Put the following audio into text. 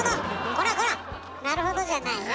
こらこらなるほどじゃないよ。